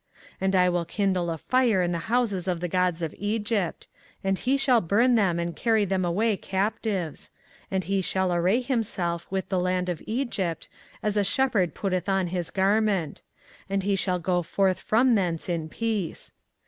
24:043:012 And I will kindle a fire in the houses of the gods of Egypt; and he shall burn them, and carry them away captives: and he shall array himself with the land of Egypt, as a shepherd putteth on his garment; and he shall go forth from thence in peace.